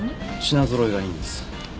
品揃えがいいんです。